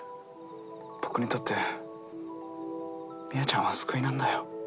僕にとって深愛ちゃんは救いなんだよ。